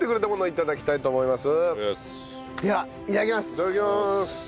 いただきます。